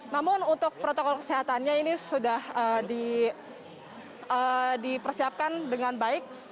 namun untuk protokol kesehatannya ini sudah dipersiapkan dengan baik